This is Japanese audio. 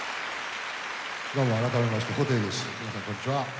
どうも改めまして布袋です。